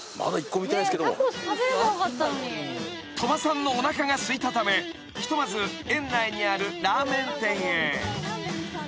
［鳥羽さんのおなかがすいたためひとまず園内にあるラーメン店へ］